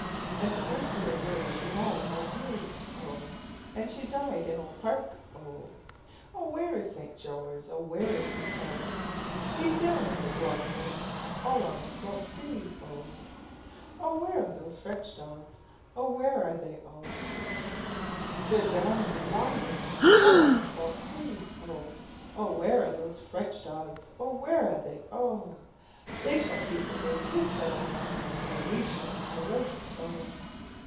Un Ursula Bird she had an old ewe, O! And she died in Old Park O! Oh, where is St. George? Oh where is he, O? He's down in his long boat, All on the salt sea, O! Oh, where are those French dogs? Oh, where are they, O? They're down in their long boats, All on the salt sea, O! Oh, where are those French dogs? Oh where are they, O! They shall eat the grey goose feathers, And we will eat the roast, O!